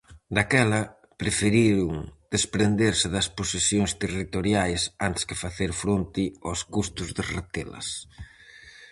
Daquela, preferiron desprenderse das posesións territoriais antes que facer fronte ós custos de retelas.